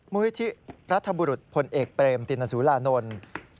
มุยธิรัฐบุรุษพลเอกเปรมตินสุรานนท์